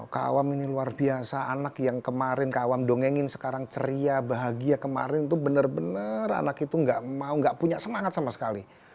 kawam ini luar biasa anak yang kemarin kawam dongengin sekarang ceria bahagia kemarin itu benar benar anak itu gak mau gak punya semangat sama sekali